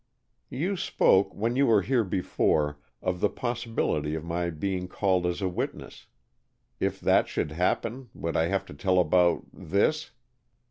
"You spoke, when you were here before, of the possibility of my being called as a witness. If that should happen, would I have to tell about this?"